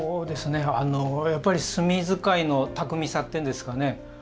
やっぱり墨使いの巧みさというのですかね